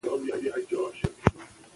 موبایلونه به مزاحمت ونه کړي.